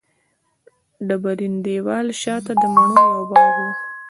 ډبرین دېوال شاته د مڼو یو باغ و.